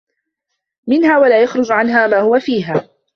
مِنْهَا وَلَا يَخْرُجَ عَنْهَا مَا هُوَ فِيهَا